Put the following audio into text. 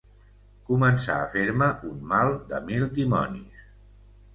Començà a fer-me un mal de mil dimonis